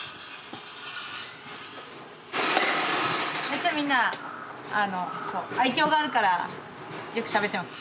めっちゃみんな愛きょうがあるからよくしゃべってます。